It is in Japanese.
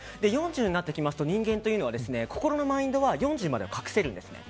４０になってきますと人間というのは心のマインドは４０までは隠せるんですね。